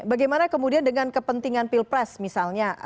bagaimana kemudian dengan kepentingan pilpres misalnya